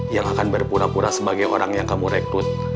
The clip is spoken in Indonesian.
yang akan berpura pura sebagai orang yang kamu rekrut